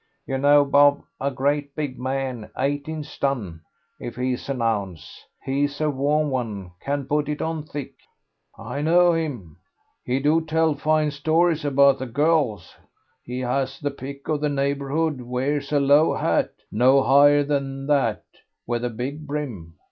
You know Bob, a great big man, eighteen stun if he's an ounce. He's a warm 'un, can put it on thick." "I know him; he do tell fine stories about the girls; he has the pick of the neighbourhood, wears a low hat, no higher than that, with a big brim.